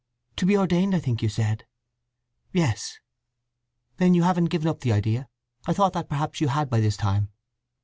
"To be ordained, I think you said?" "Yes." "Then you haven't given up the idea?—I thought that perhaps you had by this time."